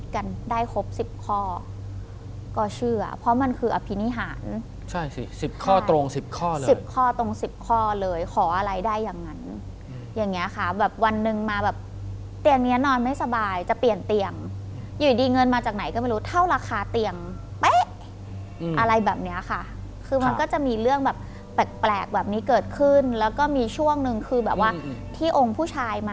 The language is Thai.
กันได้ครบสิบข้อก็เชื่อเพราะมันคืออภินิหารใช่สิสิบข้อตรงสิบข้อเลยสิบข้อตรงสิบข้อเลยขออะไรได้อย่างนั้นอย่างเงี้ยค่ะแบบวันหนึ่งมาแบบเตียงเนี้ยนอนไม่สบายจะเปลี่ยนเตียงอยู่ดีเงินมาจากไหนก็ไม่รู้เท่าราคาเตียงเป๊ะอะไรแบบเนี้ยค่ะคือมันก็จะมีเรื่องแบบแปลกแบบนี้เกิดขึ้นแล้วก็มีช่วงนึงคือแบบว่าที่องค์ผู้ชายมา